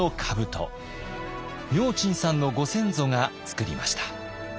明珍さんのご先祖がつくりました。